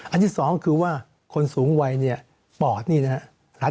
อันที่สองคือว่าคนสูงวัยปอดนี่นะครับ